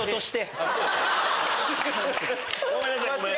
ごめんなさい。